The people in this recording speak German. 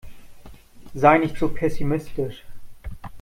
Sei nicht so pessimistisch.